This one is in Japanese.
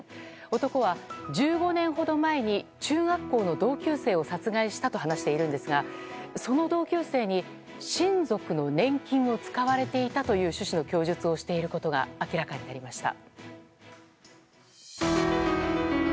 男は１５年ほど前に中学校の同級生を殺害したと話しているんですがその同級生に親族の年金を使われていたという趣旨の供述をしていることが明らかになりました。